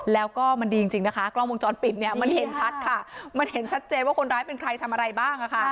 แล้วก็มันดีจริงนะคะกล้องวงจรปิดเนี่ยมันเห็นชัดค่ะมันเห็นชัดเจนว่าคนร้ายเป็นใครทำอะไรบ้าง